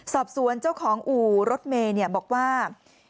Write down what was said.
สอบสวนเจ้าของอู่รถเมย์บอกว่า